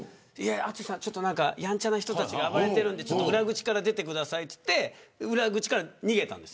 淳さん、ちょっとやんちゃな人たちが暴れてるんで裏口から出てくださいって裏口から逃げたんです。